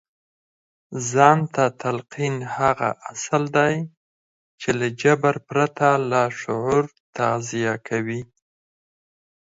ځان ته تلقين هغه اصل دی چې له جبر پرته لاشعور تغذيه کوي.